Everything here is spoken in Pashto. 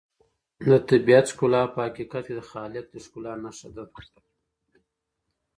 د طبیعت ښکلا په حقیقت کې د خالق د ښکلا نښه ده.